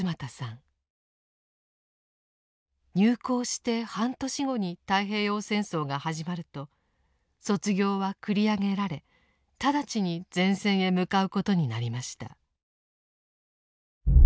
入校して半年後に太平洋戦争が始まると卒業は繰り上げられ直ちに前線へ向かうことになりました。